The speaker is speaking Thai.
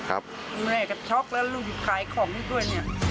แม่ก็ช็อคแล้วลูกถูกขายของให้ด้วย